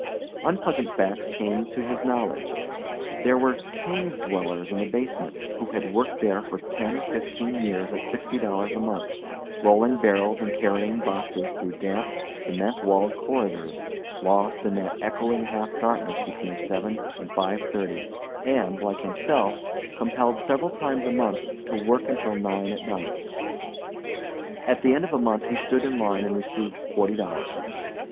Unpleasant facts came to his knowledge. There were "cave dwellers" in the basement who had worked there for ten or fifteen years at sixty dollars a month, rolling barrels and carrying boxes through damp, cement walled corridors, lost in that echoing half darkness between seven and five thirty and, like himself, compelled several times a month to work until nine at night. At the end of a month he stood in line and received forty dollars.